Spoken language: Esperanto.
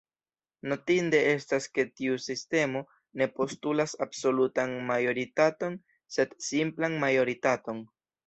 Notinde estas ke tiu sistemo ne postulas absolutan majoritaton sed simplan majoritaton.